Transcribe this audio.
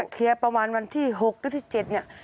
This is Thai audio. เคลียร์ประมาณวันที่๖หรือที่๗เนี่ย